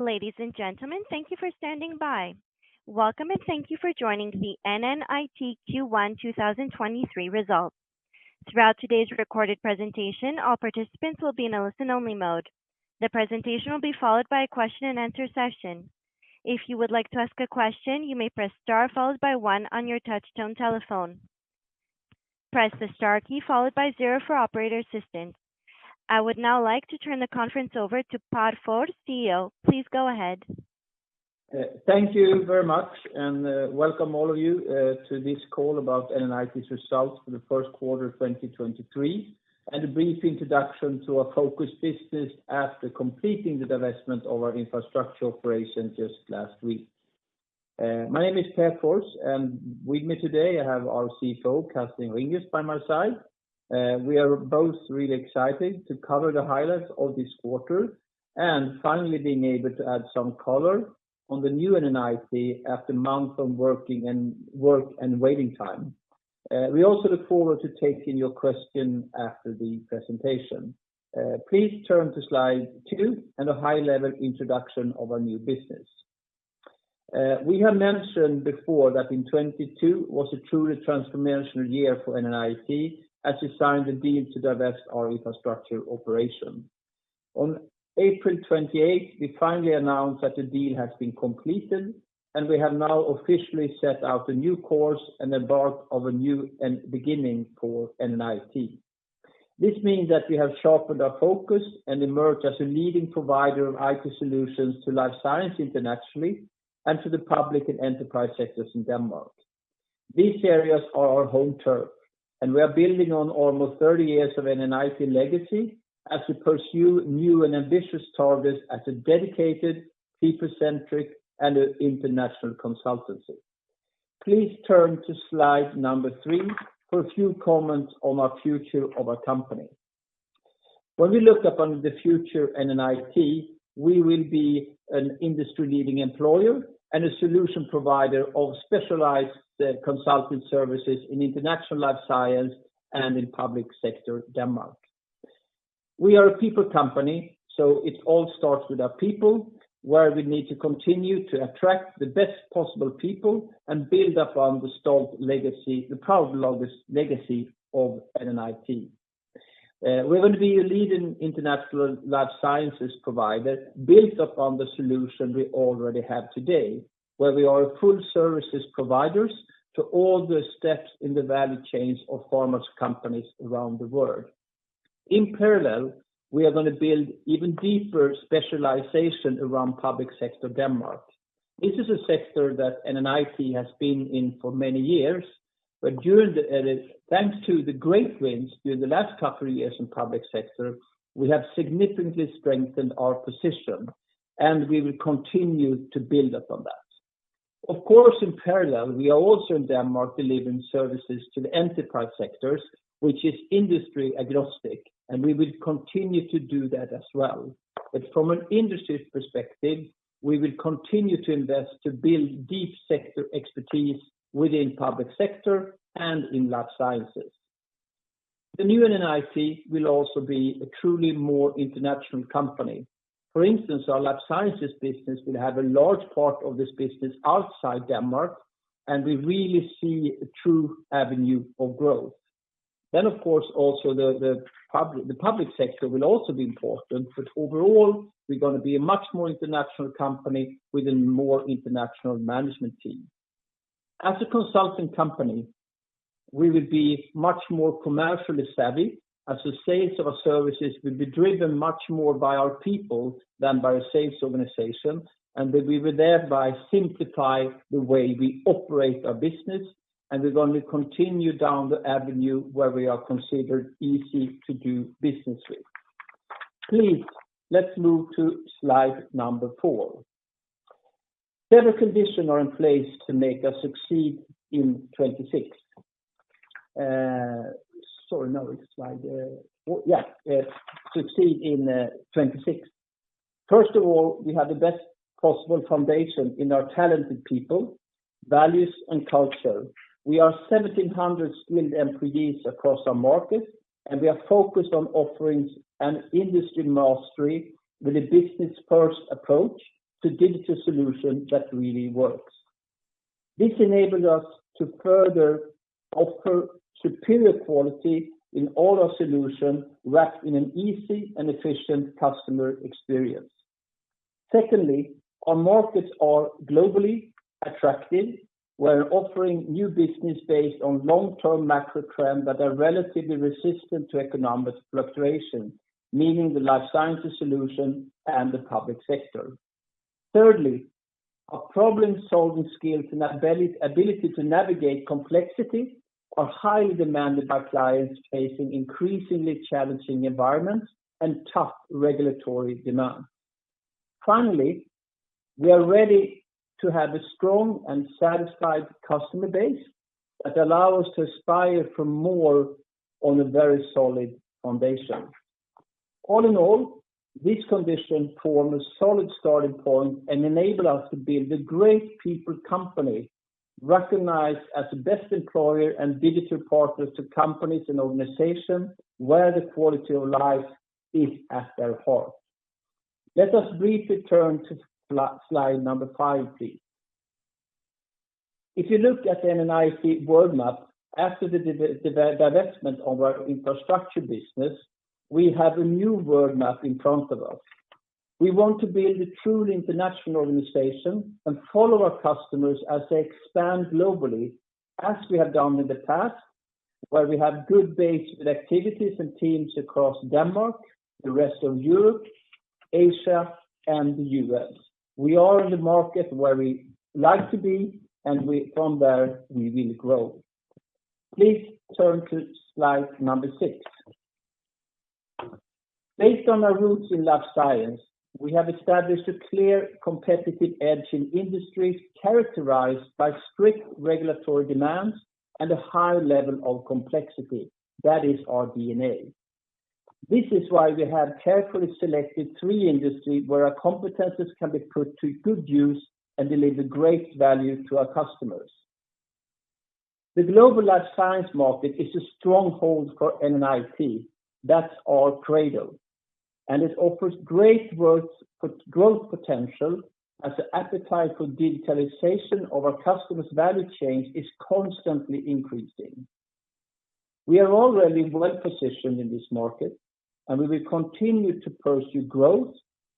Ladies and gentlemen, thank you for standing by. Welcome, and thank you for joining the NNIT Q1 2023 results. Throughout today's recorded presentation, all participants will be in a listen only mode. The presentation will be followed by a question and answer session. If you would like to ask a question, you may press star followed by one on your touch-tone telephone. Press the star key followed by zero for operator assistance. I would now like to turn the conference over to Pär Fors, CEO. Please go ahead. Thank you very much and welcome all of you to this call about NNIT's results for the first quarter 2023, and a brief introduction to our focus business after completing the divestment of our infrastructure operation just last week. My name is Pär Fors, and with me today I have our CFO, Carsten Ringius, by my side. We are both really excited to cover the highlights of this quarter and finally being able to add some color on the new NNIT after months of working and waiting time. We also look forward to taking your questions after the presentation. Please turn to slide two and a high-level introduction of our new business. We have mentioned before that in 2022 was a truly transformational year for NNIT as we signed the deal to divest our infrastructure operation. On April 28, we finally announced that the deal has been completed. We have now officially set out a new course and embarked on a new beginning for NNIT. This means that we have sharpened our focus and emerged as a leading provider of IT solutions to life science internationally and to the public and enterprise sectors in Denmark. These areas are our home turf, and we are building on almost 30 years of NNIT legacy as we pursue new and ambitious targets as a dedicated, people-centric, and an international consultancy. Please turn to slide number three for a few comments on our future of our company. When we look upon the future NNIT, we will be an industry-leading employer and a solution provider of specialized consulting services in international life science and in public sector Denmark. We are a people company. It all starts with our people, where we need to continue to attract the best possible people and build upon the proud legacy of NNIT. We're going to be a leading international Life Sciences provider built upon the solution we already have today, where we are a full services providers to all the steps in the value chains of pharma's companies around the world. In parallel, we are gonna build even deeper specialization around public sector Denmark. This is a sector that NNIT has been in for many years, thanks to the great wins during the last couple of years in public sector, we have significantly strengthened our position, and we will continue to build upon that. Of course, in parallel, we are also in Denmark delivering services to the enterprise sectors, which is industry agnostic, and we will continue to do that as well. From an industry perspective, we will continue to invest to build deep sector expertise within public sector and Life Sciences. The new NNIT will also be a truly more international company. For instance, Life Sciences business will have a large part of this business outside Denmark, and we really see a true avenue for growth. Of course, also the public sector will also be important, overall, we're gonna be a much more international company with a more international management team. As a consulting company, we will be much more commercially savvy, as the sales of our services will be driven much more by our people than by a sales organization, and we will thereby simplify the way we operate our business, and we're gonna continue down the avenue where we are considered easy to do business with. Please, let's move to slide number four. Several conditions are in place to make us succeed in 2026. Sorry, no, it's slide... Yeah. succeed in 2026. First of all, we have the best possible foundation in our talented people, values, and culture. We are 1,700 skilled employees across our markets, and we are focused on offerings and industry mastery with a business-first approach to digital solution that really works. This enabled us to further offer superior quality in all our solutions wrapped in an easy and efficient customer experience. Secondly, our markets are globally attractive. We're offering new business based on long-term macro trends that are relatively resistant to economic fluctuation, meaning Life Sciences Solutions and the public sector. Thirdly, our problem-solving skills and ability to navigate complexity are highly demanded by clients facing increasingly challenging environments and tough regulatory demand. Finally, we are ready to have a strong and satisfied customer base that allow us to aspire for more on a very solid foundation. All in all, these conditions form a solid starting point and enable us to build a great people company. Recognized as the best employer and digital partners to companies and organizations where the quality of life is at their heart. Let us briefly turn to slide number five, please. If you look at NNIT world map after the divestment of our infrastructure business, we have a new world map in front of us. We want to build a truly international organization and follow our customers as they expand globally, as we have done in the past, where we have good base with activities and teams across Denmark, the rest of Europe, Asia, and the U.S. We are in the market where we like to be, from there, we will grow. Please turn to slide number six. Based on our roots in life science, we have established a clear competitive edge in industries characterized by strict regulatory demands and a high level of complexity. That is our DNA. This is why we have carefully selected three industries where our competencies can be put to good use and deliver great value to our customers. The global life science market is a stronghold for NNIT. That's our cradle, and it offers great growth potential as the appetite for digitalization of our customers' value chain is constantly increasing. We are already well-positioned in this market, and we will continue to pursue growth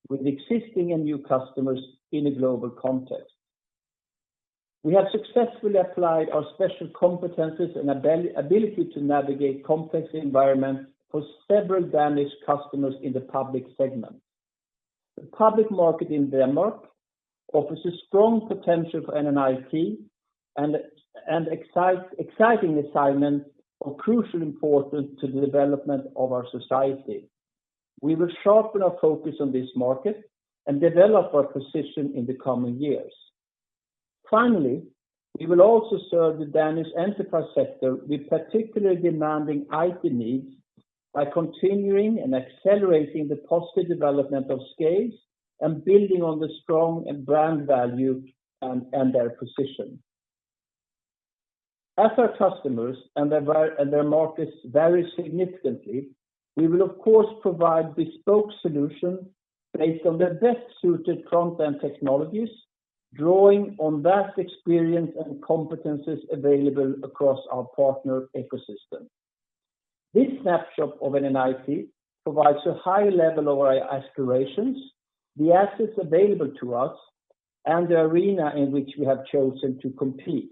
with existing and new customers in a global context. We have successfully applied our special competencies and ability to navigate complex environments for several Danish customers in the public segment. The public market in Denmark offers a strong potential for NNIT and exciting assignments of crucial importance to the development of our society. We will sharpen our focus on this market and develop our position in the coming years. Finally, we will also serve the Danish enterprise sector with particularly demanding IT needs by continuing and accelerating the positive development of SCALES and building on the strong brand value and their position. As our customers and their markets vary significantly, we will of course provide bespoke solutions based on the best-suited content technologies, drawing on vast experience and competencies available across our partner ecosystem. This snapshot of NNIT provides a high level of our aspirations, the assets available to us, and the arena in which we have chosen to compete.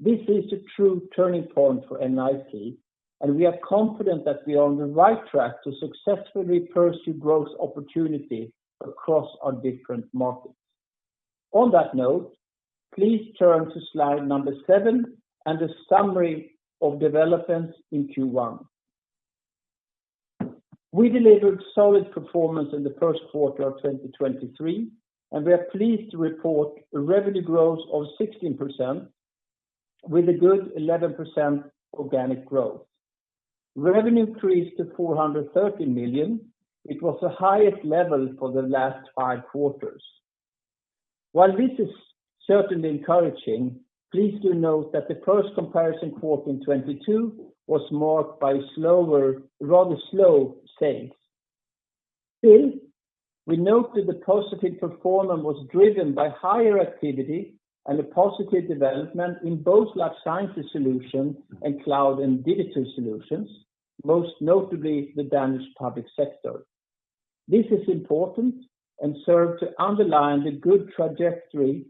This is a true turning point for NNIT, and we are confident that we are on the right track to successfully pursue growth opportunity across our different markets. On that note, please turn to slide number seven and a summary of developments in Q1. We delivered solid performance in Q1 2023. We are pleased to report a revenue growth of 16% with a good 11% organic growth. Revenue increased to 430 million. It was the highest level for the last five quarters. While this is certainly encouraging, please do note that the first comparison quarter in 2022 was marked by rather slow sales. We note that the positive performance was driven by higher activity and a positive development in Life Sciences Solutions and Cloud & Digital Solutions, most notably the Danish public sector. This is important and serve to underline the good trajectory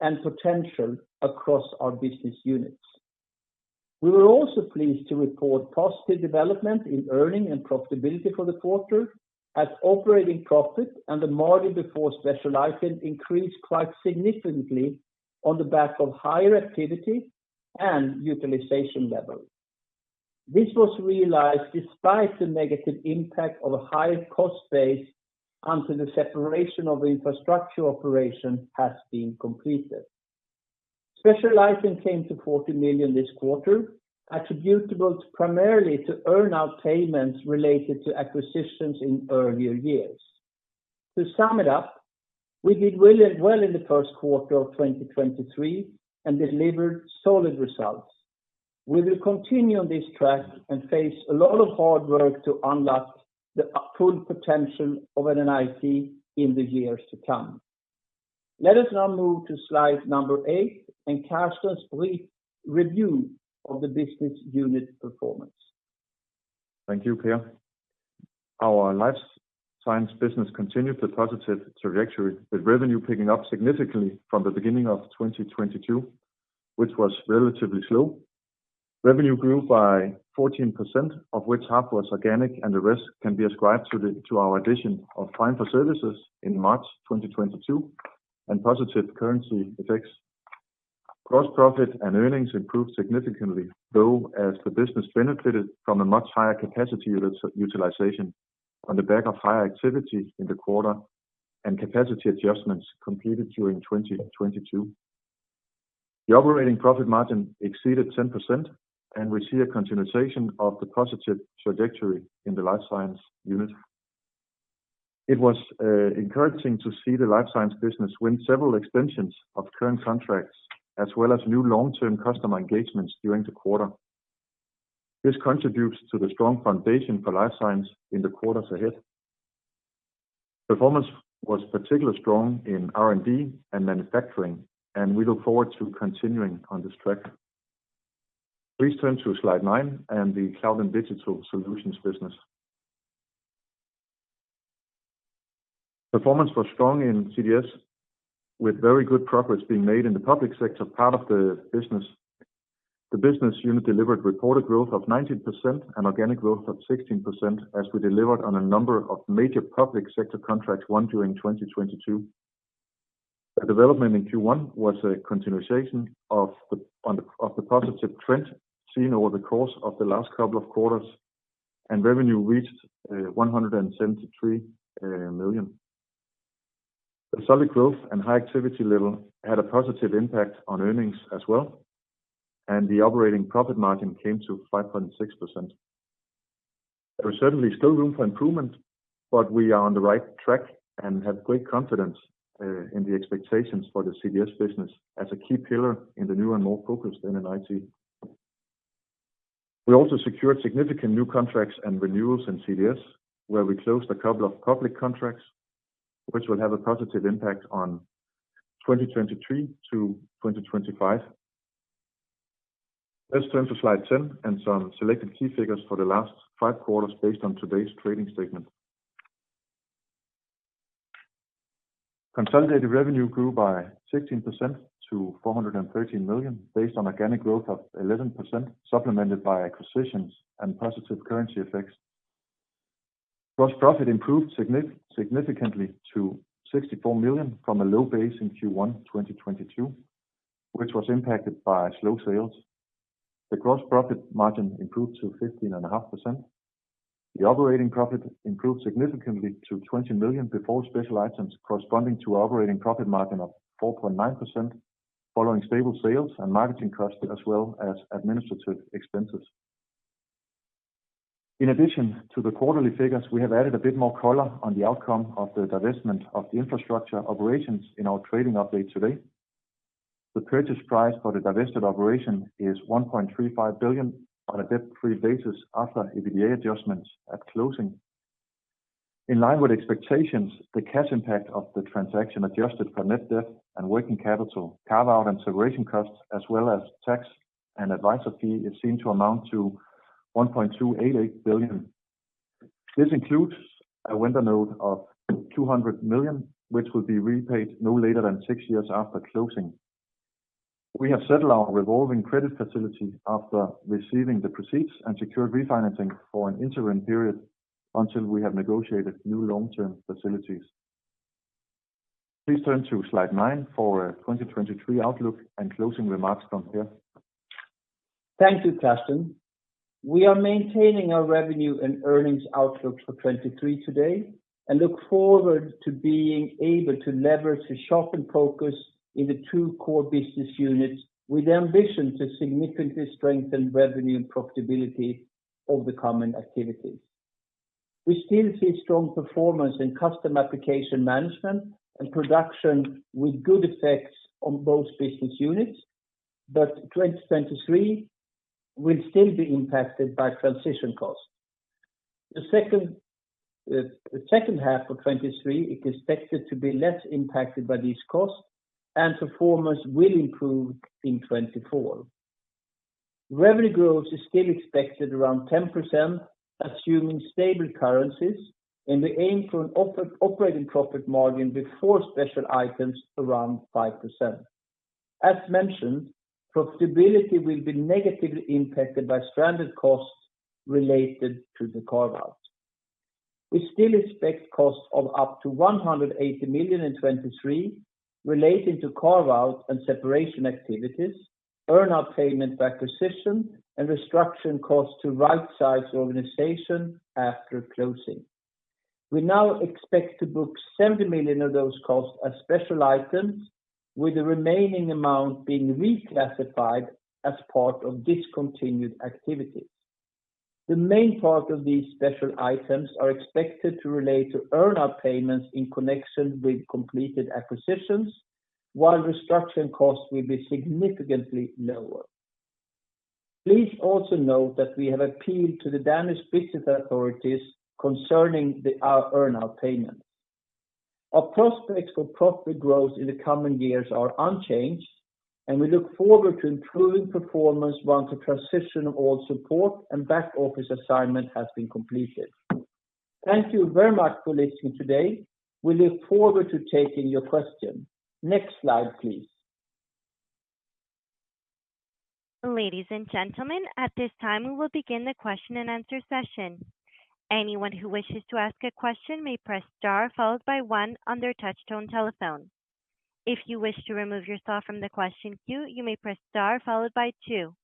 and potential across our business units. We were also pleased to report positive development in earning and profitability for the quarter as operating profit and the margin before special items increased quite significantly on the back of higher activity and utilization levels. This was realized despite the negative impact of a higher cost base until the separation of infrastructure operation has been completed. Special items came to 40 million this quarter, attributable primarily to earn-out payments related to acquisitions in earlier years. To sum it up, we did really well in the first quarter of 2023 and delivered solid results. We will continue on this track and face a lot of hard work to unlock the full potential of NNIT in the years to come. Let us now move to slide number eight and Carsten's brief review of the business unit performance. Thank you, Pär. Our Life Science business continued the positive trajectory, with revenue picking up significantly from the beginning of 2022, which was relatively slow. Revenue grew by 14%, of which half was organic, and the rest can be ascribed to our addition of Trifork services in March 2022 and positive currency effects. Gross profit and earnings improved significantly, though, as the business benefited from a much higher capacity utilization on the back of higher activity in the quarter and capacity adjustments completed during 2022. The operating profit margin exceeded 10%. We see a continuation of the positive trajectory in the Life Science unit. It was encouraging to see the Life Science business win several extensions of current contracts as well as new long-term customer engagements during the quarter. This contributes to the strong foundation for Life Science in the quarters ahead. Performance was particularly strong in R&D and manufacturing, and we look forward to continuing on this track. Please turn to slide nine and the Cloud & Digital Solutions business. Performance was strong in CDS, with very good progress being made in the public sector part of the business. The business unit delivered reported growth of 19% and organic growth of 16% as we delivered on a number of major public sector contracts won during 2022. The development in Q1 was a continuation of the positive trend seen over the course of the last couple of quarters, and revenue reached 173 million. The solid growth and high activity level had a positive impact on earnings as well, and the operating profit margin came to 5.6%. There is certainly still room for improvement, but we are on the right track and have great confidence in the expectations for the CDS business as a key pillar in the new and more focused NNIT. We also secured significant new contracts and renewals in CDS, where we closed a couple of public contracts which will have a positive impact on 2023 to 2025. Let's turn to slide 10 and some selected key figures for the last five quarters based on today's trading statement. Consolidated revenue grew by 16% to 413 million based on organic growth of 11%, supplemented by acquisitions and positive currency effects. Gross profit improved significantly to 64 million from a low base in Q1 2022, which was impacted by slow sales. The gross profit margin improved to 15.5%. The operating profit improved significantly to 20 million before special items corresponding to operating profit margin of 4.9%, following stable sales and marketing costs as well as administrative expenses. In addition to the quarterly figures, we have added a bit more color on the outcome of the divestment of the infrastructure operations in our trading update today. The purchase price for the divested operation is 1.35 billion on a debt-free basis after EBITDA adjustments at closing. In line with expectations, the cash impact of the transaction adjusted for net debt and working capital, carve-out and separation costs, as well as tax and advisory fee is seen to amount to 1.288 billion. This includes a vendor note of 200 million, which will be repaid no later than six years after closing. We have settled our revolving credit facility after receiving the proceeds and secured refinancing for an interim period until we have negotiated new long-term facilities. Please turn to slide nine for a 2023 outlook and closing remarks from Pär. Thank you, Carsten. We are maintaining our revenue and earnings outlook for 2023 today and look forward to being able to leverage the sharpened focus in the two core business units with the ambition to significantly strengthen revenue and profitability of the common activities. We still see strong performance in custom application management and production with good effects on both business units, 2023 will still be impacted by transition costs. The second half of 2023 is expected to be less impacted by these costs and performance will improve in 2024. Revenue growth is still expected around 10%, assuming stable currencies and the aim for an operating profit margin before special items around 5%. As mentioned, profitability will be negatively impacted by stranded costs related to the carve-out. We still expect costs of up to 180 million in 2023 relating to carve-out and separation activities, earn-out payment by acquisition and restructuring costs to right-size the organization after closing. We now expect to book 70 million of those costs as special items, with the remaining amount being reclassified as part of discontinued activities. The main part of these special items are expected to relate to earn-out payments in connection with completed acquisitions, while restructuring costs will be significantly lower. Please also note that we have appealed to the Danish Business Authority concerning our earn-out payments. Our prospects for profit growth in the coming years are unchanged. We look forward to improving performance once the transition of all support and back office assignment has been completed. Thank you very much for listening today. We look forward to taking your questions. Next slide, please. Ladies and gentlemen, at this time, we will begin the question-and-answer session. Anyone who wishes to ask a question may press star followed by one on their touch tone telephone. If you wish to remove yourself from the question queue, you may press star followed by two.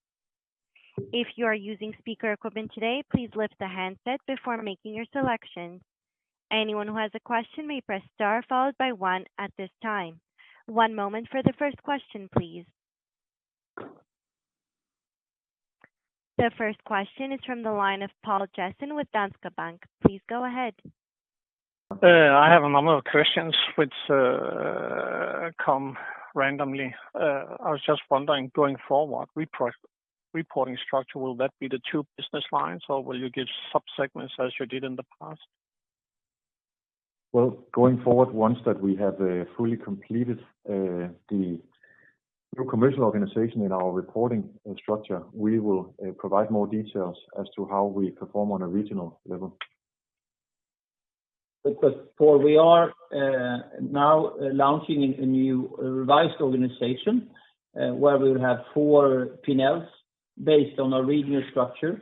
If you are using speaker equipment today, please lift the handset before making your selection. Anyone who has a question may press star followed by one at this time. One moment for the first question, please. The first question is from the line of Poul Jessen with Danske Bank. Please go ahead. I have a number of questions which come randomly. I was just wondering, going forward, reporting structure, will that be the two business lines, or will you give sub-segments as you did in the past? Going forward, once that we have fully completed the new commercial organization in our reporting structure, we will provide more details as to how we perform on a regional level. Poul, we are now launching a new revised organization, where we will have four P&Ls based on a regional structure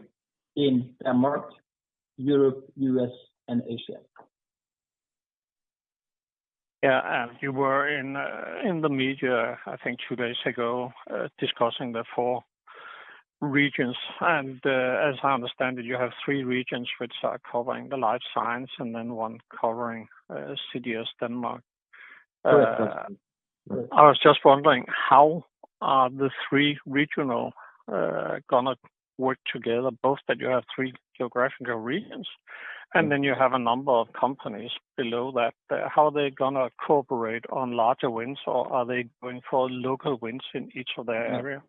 in Denmark, Europe, U.S. and Asia. Yeah. You were in the media, I think two days ago, discussing the four regions. As I understand it, you have three regions which are covering the life science and then one covering CDS Denmark. I was just wondering how are the three regional gonna work together, both that you have three geographical regions, and then you have a number of companies below that. How are they gonna cooperate on larger wins, or are they going for local wins in each of their area?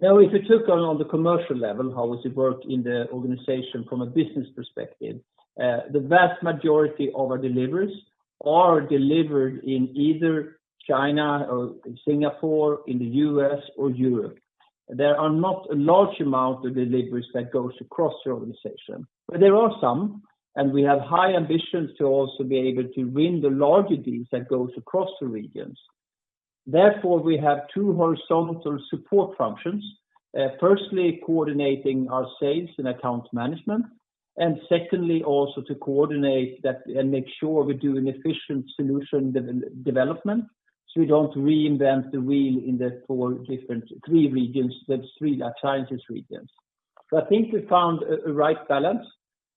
No. If you look on the commercial level, how does it work in the organization from a business perspective. The vast majority of our deliveries are delivered in either China or Singapore, in the U.S. or Europe. There are not a large amount of deliveries that goes across the organization, but there are some. We have high ambitions to also be able to win the larger deals that goes across the regions. Therefore, we have two horizontal support functions. Firstly, coordinating our sales and account management, and secondly, also to coordinate that and make sure we do an efficient solution development, so we don't reinvent the wheel in the four different three regions. That's Life Sciences regions. I think we found a right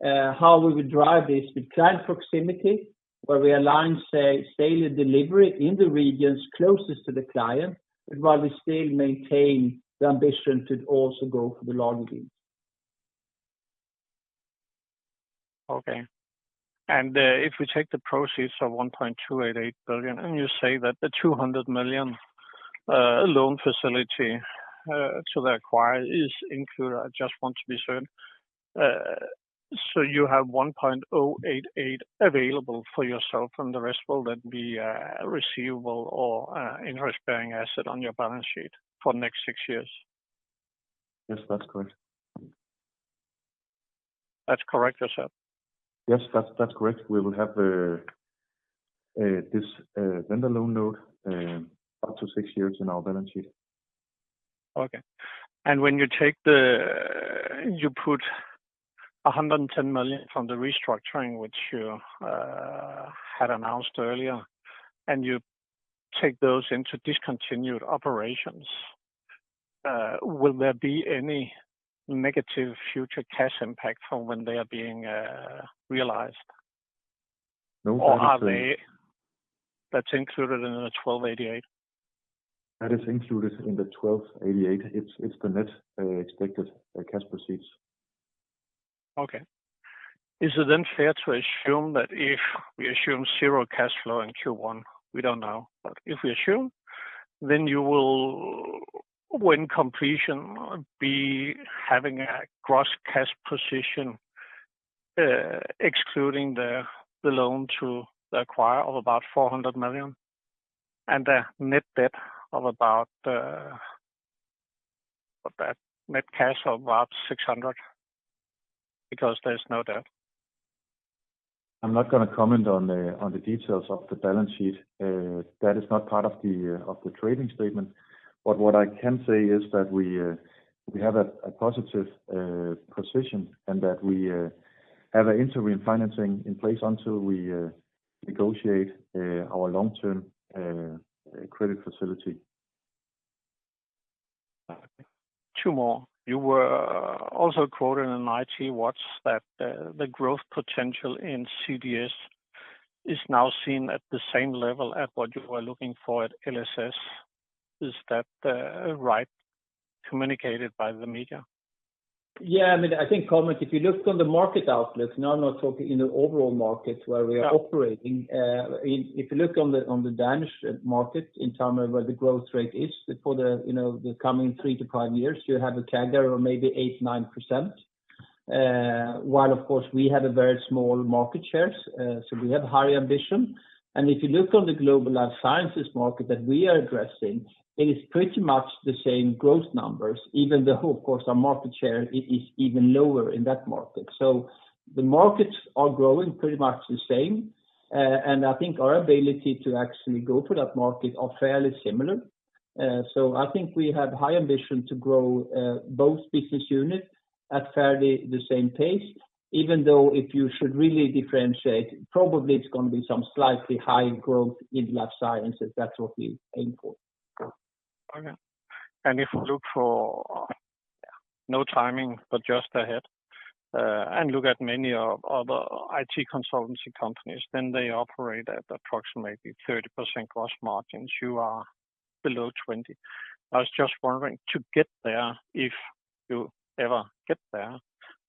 balance, how we would drive this with client proximity, where we align, say, sales delivery in the regions closest to the client, but while we still maintain the ambition to also go for the large deals. Okay. If we take the proceeds of 1.288 billion, and you say that the 200 million loan facility to the acquire is included, I just want to be sure. You have 1.088 billion available for yourself, and the rest will then be receivable or interest bearing asset on your balance sheet for the next six years. Yes, that's correct. That's correct, you said? That's correct. We will have this vendor loan note up to six years in our balance sheet. Okay. You put 110 million from the restructuring which you had announced earlier, and you take those into discontinued operations, will there be any negative future cash impact from when they are being realized? No. That's included in DKK 1,288. That is included in 1,288. It's the net expected cash proceeds. Is it then fair to assume that if we assume zero cash flow in Q1, we don't know. If we assume, then you will, when completion be having a gross cash position excluding the loan to acquire of about 400 million and a net cash of about 600 million because there's no debt. I'm not gonna comment on the details of the balance sheet. That is not part of the trading statement. What I can say is that we have a positive position and that we have an interim financing in place until we negotiate our long-term credit facility. Two more. You were also quoted in ITWatch that the growth potential in CDS is now seen at the same level at what you were looking for at LSS. Is that right communicated by the media? Yeah. I mean, I think, Poul, if you look on the market outlook, now I'm not talking in the overall markets where we are operating. If you look on the, on the Danish market in term of where the growth rate is for the, you know, the coming 3-5 years, you have a CAGR or maybe 8-9%. While of course we have a very small market shares, so we have higher ambition. If you look on the global Life Sciences market that we are addressing, it is pretty much the same growth numbers. Even the whole, of course, our market share is even lower in that market. The markets are growing pretty much the same. And I think our ability to actually go to that market are fairly similar. I think we have high ambition to grow, both business units at fairly the same pace. Even though if you should really differentiate, probably it's gonna be some slightly high growth Life Sciences. That's what we aim for. Okay. If you look for no timing but just ahead, and look at many of other IT consultancy companies, then they operate at approximately 30% gross margins. You are below 20%. I was just wondering, to get there, if you ever get there,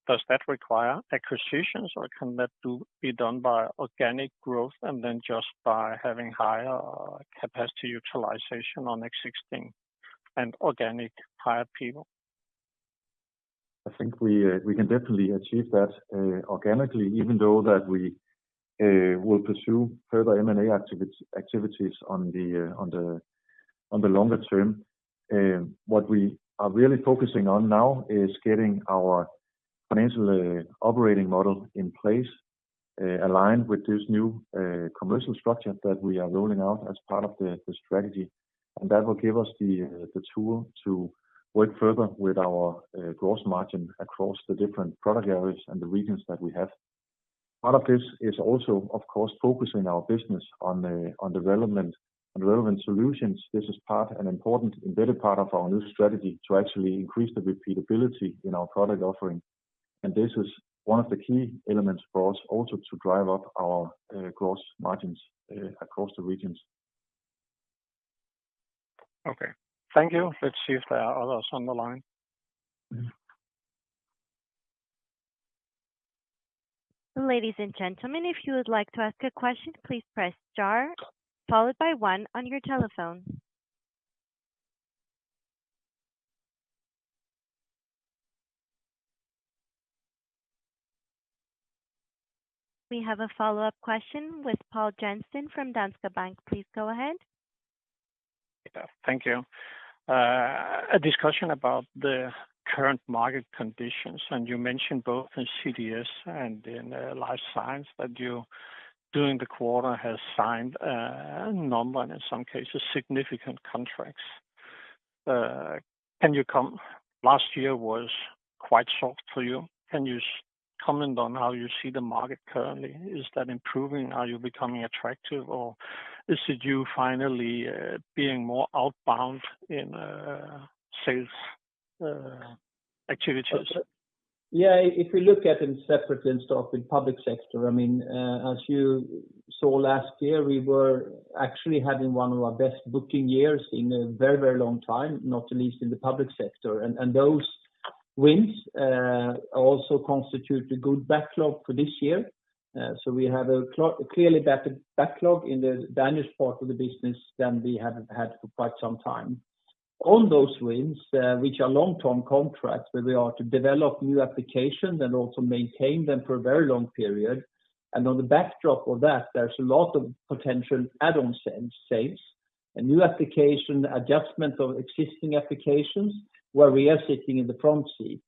does that require acquisitions, or can that be done by organic growth and then just by having higher capacity utilization on existing and organic hire people? I think we can definitely achieve that organically, even though that we will pursue further M&A activities on the on the longer term. What we are really focusing on now is getting our financial operating model in place aligned with this new commercial structure that we are rolling out as part of the strategy. That will give us the tool to work further with our gross margin across the different product areas and the regions that we have. Part of this is also, of course, focusing our business on the relevant solutions. This is part an important embedded part of our new strategy to actually increase the repeatability in our product offering. This is one of the key elements for us also to drive up our, gross margins, across the regions. Okay. Thank you. Let's see if there are others on the line. Mm-hmm. Ladies and gentlemen, if you would like to ask a question, please press star followed by one on your telephone. We have a follow-up question with Poul Jessen from Danske Bank. Please go ahead. Yeah. Thank you. A discussion about the current market conditions, you mentioned both in CDS and in life science that you, during the quarter, has signed a number and in some cases, significant contracts. Last year was quite soft for you. Can you comment on how you see the market currently? Is that improving? Are you becoming attractive, or is it you finally being more outbound in sales activities? If you look at them separately and start with public sector, I mean, as you saw last year, we were actually having one of our best booking years in a very, very long time, not at least in the public sector. Those wins also constitute a good backlog for this year. We have a clearly better backlog in the Danish part of the business than we have had for quite some time. On those wins, which are long-term contracts, where we are to develop new applications and also maintain them for a very long period. On the backdrop of that, there's a lot of potential add-on sales, a new application, adjustment of existing applications where we are sitting in the front seat.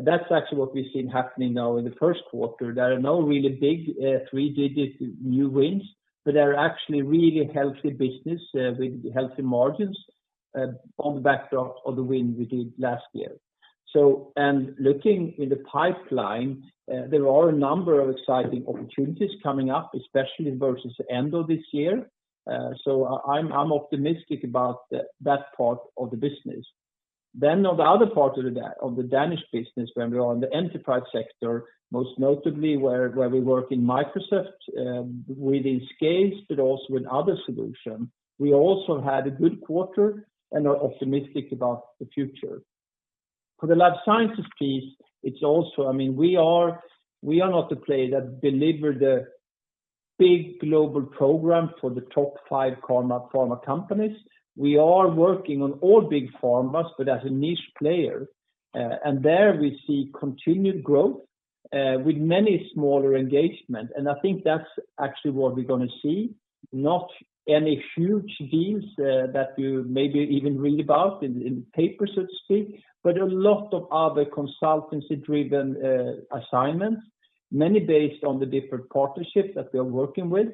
That's actually what we've seen happening now in the first quarter. There are no really big, three-digit new wins, but there are actually really healthy business with healthy margins on the backdrop of the win we did last year. Looking in the pipeline, there are a number of exciting opportunities coming up, especially versus the end of this year. I'm optimistic about that part of the business. On the other part of the Danish business, when we are on the enterprise sector, most notably where we work in Microsoft, within SCALES, but also in other solution, we also had a good quarter and are optimistic about the future. The lab sciences piece, it's also, I mean, we are not the player that deliver the big global program for the top five pharma companies. We are working on all big pharma, but as a niche player. There we see continued growth with many smaller engagement. I think that's actually what we're gonna see. Not any huge deals that we maybe even read about in the papers, so to speak, but a lot of other consultancy-driven assignments, many based on the different partnerships that we are working with.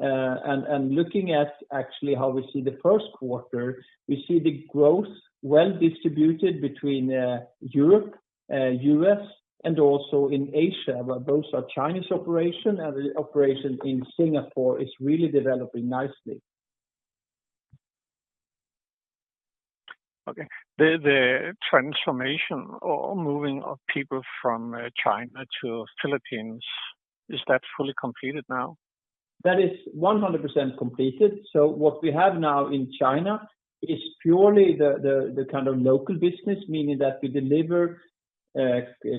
Looking at actually how we see the first quarter, we see the growth well-distributed between Europe, U.S., and also in Asia, where both our Chinese operation and the operation in Singapore is really developing nicely. Okay. The transformation or moving of people from China to Philippines, is that fully completed now? That is 100% completed. What we have now in China is purely the kind of local business, meaning that we deliver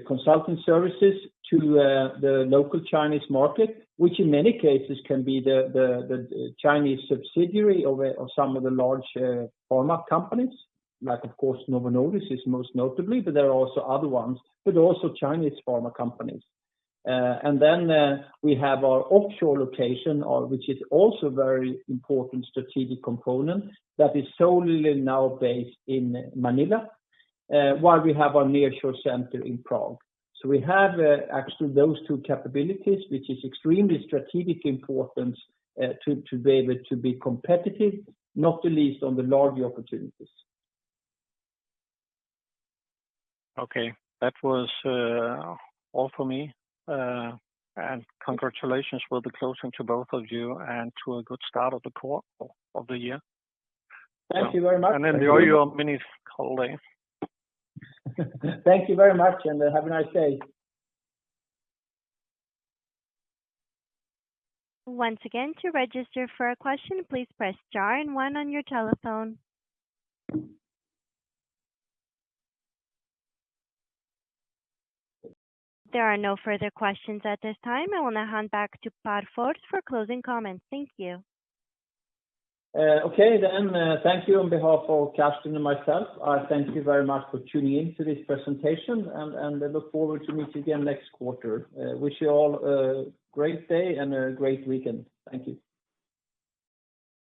consulting services to the local Chinese market, which in many cases can be the Chinese subsidiary of some of the large pharma companies. Like, of course, Novo Nordisk is most notably, but there are also other ones, but also Chinese pharma companies. Then, we have our offshore location or which is also very important strategic component that is solely now based in Manila, while we have our nearshore center in Prague. We have actually those two capabilities, which is extremely strategic importance to be able to be competitive, not the least on the larger opportunities. Okay. That was all for me. Congratulations for the closing to both of you and to a good start of the year. Thank you very much. Enjoy your mini holiday. Thank you very much, and have a nice day. Once again, to register for a question, please press star and one on your telephone. There are no further questions at this time. I want to hand back to Pär Fors for closing comments. Thank you. Okay. Thank you on behalf of Carsten and myself. Thank you very much for tuning in to this presentation, and I look forward to meet you again next quarter. Wish you all a great day and a great weekend. Thank you.